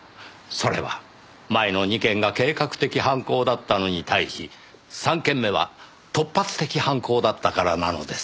それは前の２件が計画的犯行だったのに対し３件目は突発的犯行だったからなのです。